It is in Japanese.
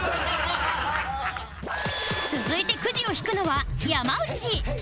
続いてくじを引くのは山内